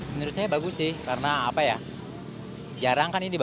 menurut saya bagus sih karena apa ya jarang kan ini dibuat